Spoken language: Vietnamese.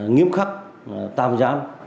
nghiêm khắc tạm giam